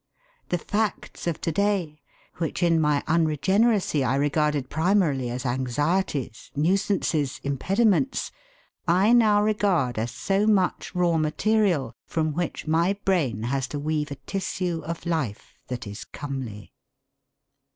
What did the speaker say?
The facts of to day, which in my unregeneracy I regarded primarily as anxieties, nuisances, impediments, I now regard as so much raw material from which my brain has to weave a tissue of life that is comely.'